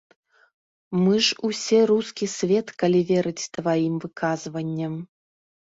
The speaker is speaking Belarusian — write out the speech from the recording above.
Мы ж усе рускі свет, калі верыць тваім выказванням.